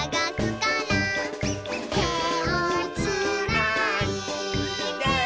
「てをつないで」